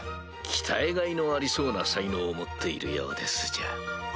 鍛えがいのありそうな才能を持っているようですじゃ。